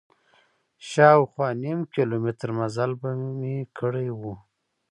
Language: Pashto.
شاوخوا نیم کیلومتر مزل به مې کړی و.